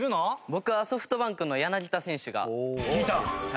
僕はソフトバンクの柳田選手が好きです。